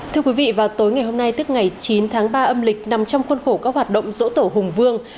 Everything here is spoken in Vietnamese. thưa quý vị vào tối ngày hôm nay tức ngày chín tháng ba âm lịch nằm trong khuôn khổ các hoạt động dỗ tổ hùng vương